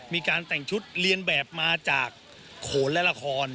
มีการแต่งชุดเรียนแบบมาจากโขนและละคร